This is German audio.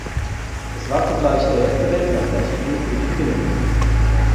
Es war zugleich der erste Weltmeistertitel für die Finnen.